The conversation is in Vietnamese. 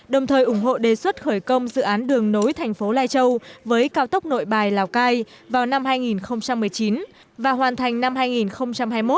đồng thời ủng hộ đề xuất khởi công dự án đường nối thành phố lai châu với cao tốc nội bài lào cai vào năm hai nghìn một mươi chín và hoàn thành năm hai nghìn hai mươi một